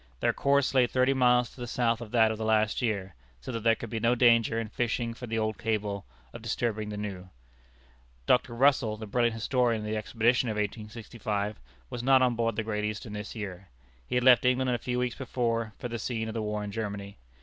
Their course lay thirty miles to the south of that of the last year, so that there could be no danger, in fishing for the old cable, of disturbing the new. Dr. Russell, the brilliant historian of the Expedition of 1865, was not on board the Great Eastern this year. He had left England a few weeks before for the scene of the war in Germany.